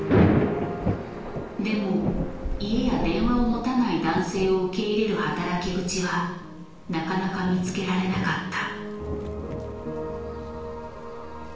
でも家や電話を持たない男性を受け入れる働き口はなかなか見つけられなかった。